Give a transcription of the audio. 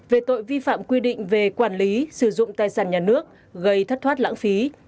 về tội vi phạm quy định về quản lý sử dụng tài sản nhà nước gây thất thoát lãng phí